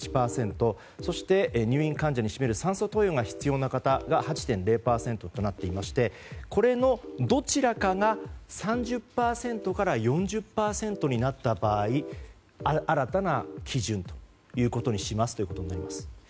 そして入院患者に占める酸素投与が必要な方が８．０％となっていましてこのどちらかが３０％から４０％になった場合新たな基準ということにしますとなります。